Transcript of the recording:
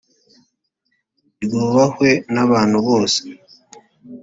ryubahwe n abantu bose